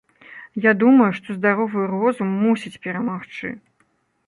Я думаю, што здаровы розум мусіць перамагчы.